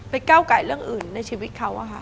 ไปก้าวไกลเรื่องอื่นในชีวิตเขาอะค่ะ